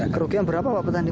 kerugian berapa pak petani